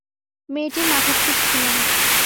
মেয়েটির মাথার ঠিক ছিল না।